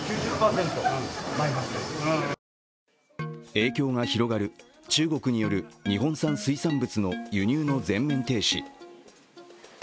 影響が広がる中国による日本産水産物の輸入の全面停止。